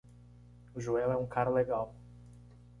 Joel é um cara legal.